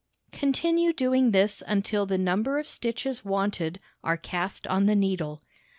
Continue doing this until the number of stitches wanted are cast on the needle.